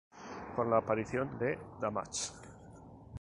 Con la aparición de "Damage!